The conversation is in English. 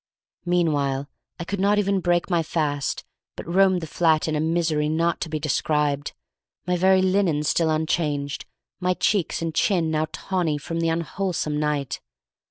Meanwhile I could not even break my fast, but roamed the flat in a misery not to be described, my very linen still unchanged, my cheeks and chin now tawny from the unwholesome night.